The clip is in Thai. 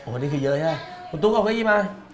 วันนี้คือเยอะใช่ไหมคุณตุ๊กเอาเก้าอี้มา